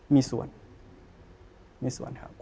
มีส่วนมีส่วนครับ